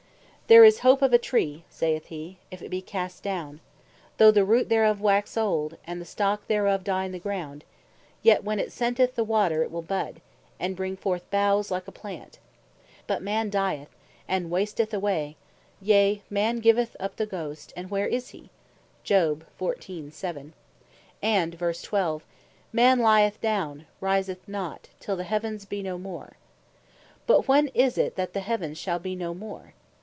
"There is hope of a tree," (saith hee verse 7.) "if it be cast down, Though the root thereof wax old, and the stock thereof die in the ground, yet when it scenteth the water it will bud, and bring forth boughes like a Plant. But man dyeth, and wasteth away, yea, man giveth up the Ghost, and where is he?" and (verse 12.) "man lyeth down, and riseth not, till the heavens be no more." But when is it, that the heavens shall be no more?